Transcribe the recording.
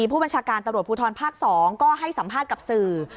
ผู้บัญชาการตำรวจภูทรภาค๒ก็ให้สัมภาษณ์กับสื่อ